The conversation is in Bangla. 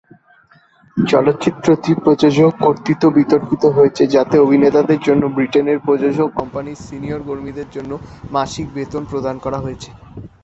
চলচ্চিত্রটি প্রযোজক কর্তৃক বিতর্কিত হয়েছে যাতে অভিনেতাদের জন্য ব্রিটেনের প্রযোজক কোম্পানির সিনিয়র কর্মীদের জন্য মাসিক বেতন প্রদান করা হয়েছে।